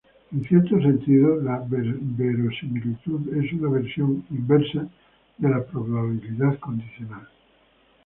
En cierto sentido, la verosimilitud es una versión "inversa" de la probabilidad condicional.